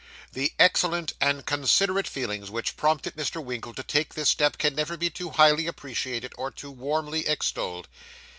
The excellent and considerate feelings which prompted Mr. Winkle to take this step can never be too highly appreciated or too warmly extolled.